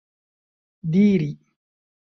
diri